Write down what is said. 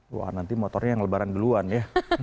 wah nanti motornya yang lebaran duluan ya